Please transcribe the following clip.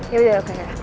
ya udah oke